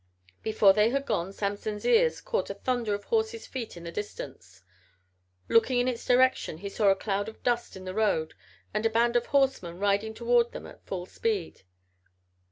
Before they had gone Samson's ears caught a thunder of horses' feet in the distance. Looking in its direction he saw a cloud of dust in the road and a band of horsemen riding toward them at full speed.